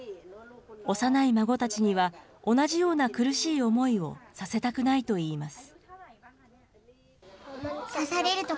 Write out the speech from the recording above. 幼い孫たちには、同じような苦しい思いをさせたくないといいます。